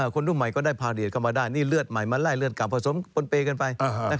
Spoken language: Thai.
คนรุ่นใหม่ก็ได้พาเดียเข้ามาได้นี่เลือดใหม่มาไล่เลือดกลับผสมปนเปย์กันไป